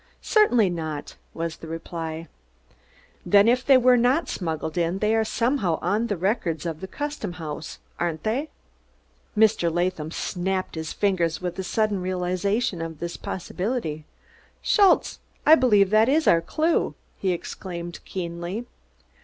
"Certainly not," was the reply. "Den, if dey were nod smuggled in, dey are somewhere on der records of der Custom House, ain'd id?" Mr. Latham snapped his fingers with a sudden realization of this possibility. "Schultze, I believe that is our clew!" he exclaimed keenly.